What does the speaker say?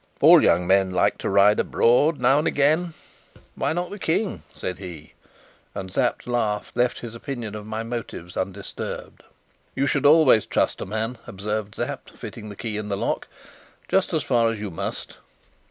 "All young men like to ride abroad now and again, why not the King?" said he; and Sapt's laugh left his opinion of my motives undisturbed. "You should always trust a man," observed Sapt, fitting the key in the lock, "just as far as you must."